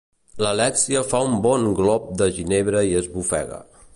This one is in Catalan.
L'Alèxia fa un bon glop de ginebra i esbufega.